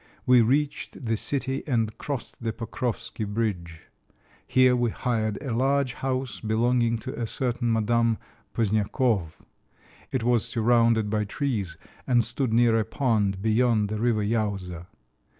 We reached the city and crossed the Pokròvski bridge. Here we hired a large house belonging to a certain Madame Pozniakòv; it was surrounded by trees and stood near a pond beyond the river Iowza.